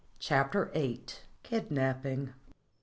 CHAPTER VIII. KIDNAPPING.